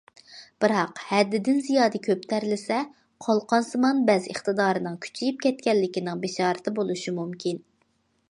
بىراق، ھەددىدىن زىيادە كۆپ تەرلىسە، قالقانسىمان بەز ئىقتىدارىنىڭ كۈچىيىپ كەتكەنلىكىنىڭ بېشارىتى بولۇشى مۇمكىن.